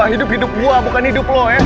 hidup hidup gua bukan hidup lo ya